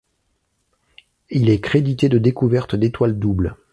Il est crédité de découvertes d'étoiles doubles.